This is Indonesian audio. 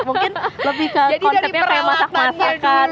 mungkin lebih ke konsepnya kayak masak masakan